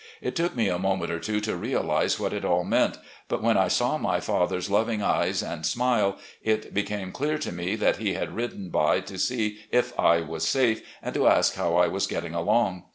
It took me a moment or two to realise what it all meant, but when I saw my father's loving eyes and smile it became clear to me that he had ridden by to see if I was safe and to ask how I was getting along.